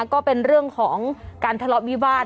ก็เป็นเรื่องของการทะเลาะวิวาส